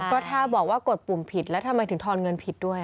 ก็ถ้าบอกว่ากดปุ่มผิดแล้วทำไมถึงทอนเงินผิดด้วย